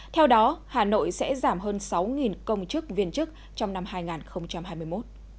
theo đó hà nội sẽ giảm hơn sáu công chức viên chức trong năm hai nghìn hai mươi một